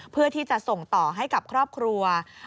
เพื่อที่จะส่งต่อให้กับครอบครัว